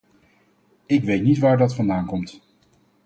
Ik weet niet waar dat vandaan komt.